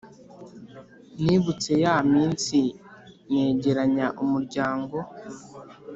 Nibutse ya minsi Negeranya umuryango